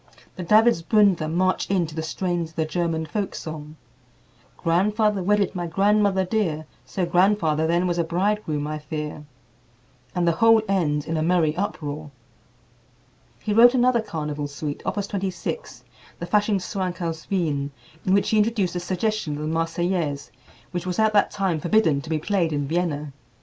The Davidsbündler march in to the strains of the German folk song, "Grandfather wedded my grandmother dear, So grandfather then was a bridegroom, I fear," and the whole ends in a merry uproar. He wrote another carnival suite, Opus 26, the "Faschingschwank aus Wien," in which he introduced a suggestion of the "Marseillaise," which was at that time forbidden to be played in Vienna.